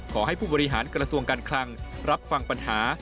ขอให้ผู้บริหารกระทรวงการคลังรับฟังปัญหา